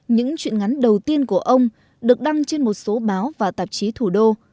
những chuyện ngắn đầu tiên của ông được đăng trên một số báo và tạp chí thủ đô